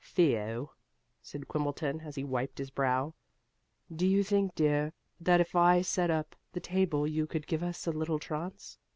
"Theo," said Quimbleton, as he wiped his brow, "do you think, dear, that if I set up the table you could give us a little trance?